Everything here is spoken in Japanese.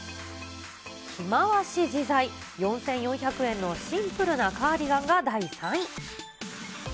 着回し自在、４４００円のシンプルなカーディガンが第３位。